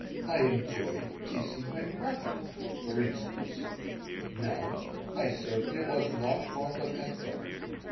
I enjoyed kissing my mother, for instance. Now, I certainly was not fond of Esther.